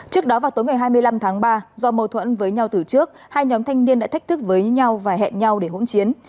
trước đó vào tối ngày hai mươi năm tháng ba do mâu thuẫn với nhau từ trước hai nhóm thanh niên đã thách thức với nhau và hẹn nhau để hỗn chiến